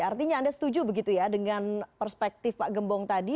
artinya anda setuju begitu ya dengan perspektif pak gembong tadi